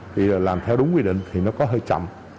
thì làm theo đúng quy định thì nó có hơi chậm